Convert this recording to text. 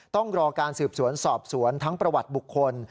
ต้องรอการสืบสวนสอบสวนทั้งประวัติบุคคล